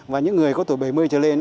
và những người có tuổi bảy mươi trở lên